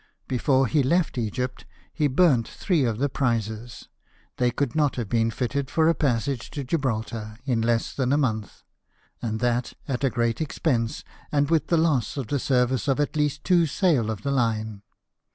Before he left Egypt he burnt three of the prizes ; they could not have been fitted for a passage to (jibraltar in less than a month, and that at a great expense and with the loss of the service of at least two sail of the line.